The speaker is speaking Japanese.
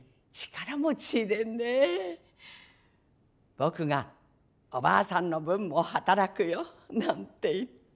「僕がおばあさんの分も働くよ」なんて言って。